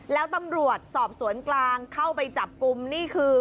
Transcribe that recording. แล้วตำรวจสอบสวนกลางเข้าไปจับกลุ่มนี่คือ